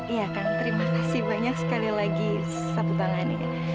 iya kang terima kasih banyak sekali lagi seputar tangan